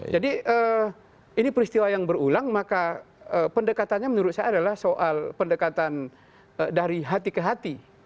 jadi ini peristiwa yang berulang maka pendekatannya menurut saya adalah soal pendekatan dari hati ke hati